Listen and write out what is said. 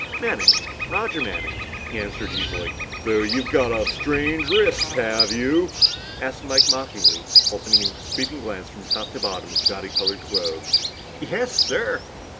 "Manning. Roger Manning," he answered easily. "So you've got a strained wrist, have you?" asked Mike mockingly while sending a sweeping glance from top to bottom of the gaudy colored clothes. "Yes, sir."